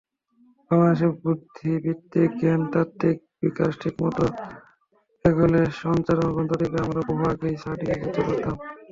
বাংলাদেশের বুদ্ধিবৃত্তিক-জ্ঞানতাত্ত্বিক বিকাশ ঠিকমতো এগোলে সঞ্চরণ গ্রন্থটিকে আমরা বহু আগেই ছাড়িয়ে যেতে পারতাম।